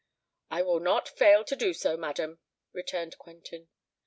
"I will not fail to do so, madam," returned Quentin.